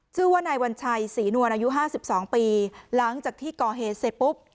ชื่อว่านายวัญชัยศรีนวลอายุห้าสิบสองปีหลังจากที่ก่อเหตุเสร็จปุ๊บ